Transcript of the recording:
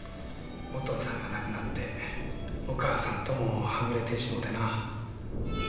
お父さんが亡くなってお母さんともはぐれてしもうてな。